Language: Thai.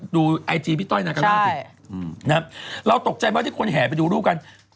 ดูไอจีพี่ต้อยนาการ่าสินะครับเราตกใจมากที่คนแห่ไปดูรูปกัน